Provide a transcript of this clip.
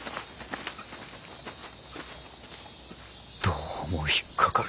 どうも引っ掛かる。